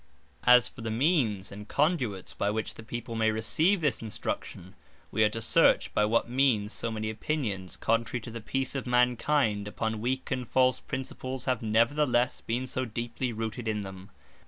The Use Of Universities As for the Means, and Conduits, by which the people may receive this Instruction, wee are to search, by what means so may Opinions, contrary to the peace of Man kind, upon weak and false Principles, have neverthelesse been so deeply rooted in them.